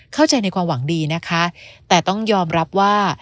เข้าใจในความหวังดีนะคะแต่ต้องยอมรับว่า